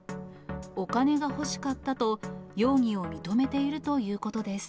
お金が欲しかったと、容疑を認めているということです。